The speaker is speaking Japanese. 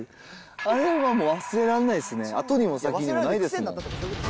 あれはもう忘れらんないですね、後にも先にもないですもん。